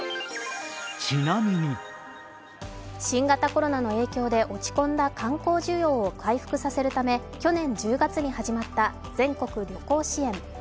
新型コロナの影響で落ち込んだ観光需要を回復させるため去年１０月に始まった全国旅行支援。